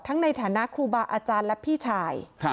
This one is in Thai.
ในฐานะครูบาอาจารย์และพี่ชาย